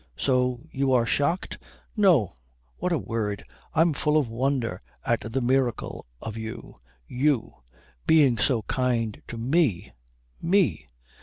"So you are shocked?" "No. What a word! I'm full of wonder at the miracle of you you being so kind to me _me!